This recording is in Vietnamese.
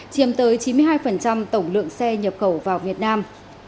chiếm tới chín mươi hai tổng lượng xe nhập khẩu vào việt nam